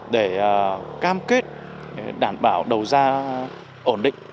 để cam kết đảm bảo đầu ra ổn định